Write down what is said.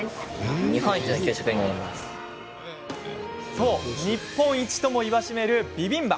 そう、日本一とも言わしめるビビンバ。